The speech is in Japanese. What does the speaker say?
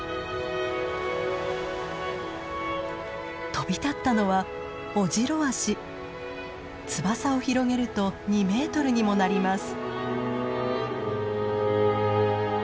飛び立ったのは翼を広げると２メートルにもなります。